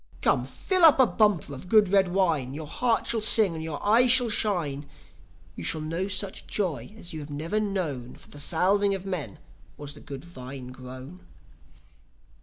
Come, fill up a bumper of good red wine, Your heart shall sing, and your eye shall shine, You shall know such joy as you never have known. For the salving of men was the good vine grown."